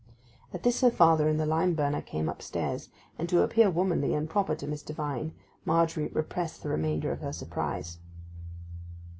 At this moment her father and the lime burner came upstairs; and to appear womanly and proper to Mr. Vine, Margery repressed the remainder of her surprise.